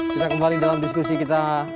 kita kembali dalam diskusi kita